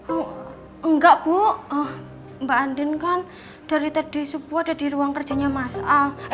oh enggak bu mbak andin kan dari tadi subuh ada di ruang kerjanya mas al